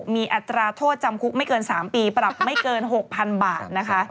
มีอัตราโทษจำคุกไม่เกิน๓ปีปรับไม่เกิน๖๐๐๐บาทนะคะ